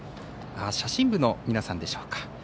写真部の皆さんでしょうか。